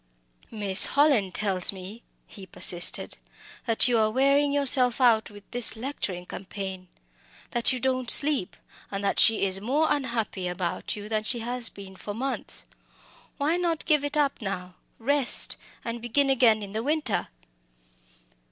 "Miss Hallin tells me," he persisted, "that you are wearing yourself out with this lecturing campaign, that you don't sleep, and that she is more unhappy about you than she has been for months. Why not give it up now, rest, and begin again in the winter?"